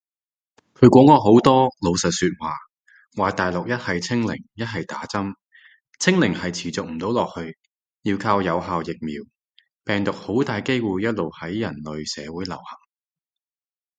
佢講過好多老實說話，話大陸一係清零一係打針，清零係持續唔到落去，要靠有效疫苗，病毒好大機會一路喺人類社會流行